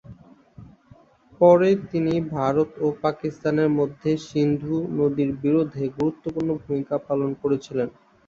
পরে তিনি ভারত ও পাকিস্তানের মধ্যে সিন্ধু নদীর বিরোধে গুরুত্বপূর্ণ ভূমিকা পালন করেছিলেন।